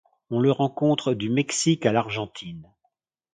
On le rencontre du Mexique à l'Argentine.